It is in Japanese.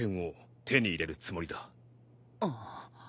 あっ。